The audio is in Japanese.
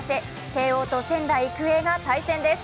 慶応と仙台育英が対戦です。